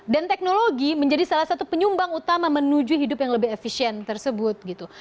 dan teknologi menjadi salah satu penyumbang utama menuju hidup yang lebih efisien tersebut gitu